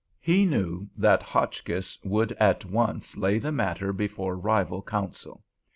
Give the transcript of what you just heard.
He knew that Hotchkiss would at once lay the matter before rival counsel.